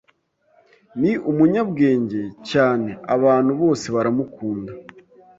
Ni umunyabwenge cyane, abantu bose baramukunda.